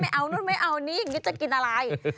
เอานู่นไม่เอานี่อย่างนี้จะกินอะไร